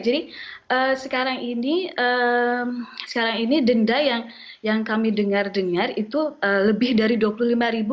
jadi sekarang ini denda yang kami dengar dengar itu lebih dari rp dua puluh lima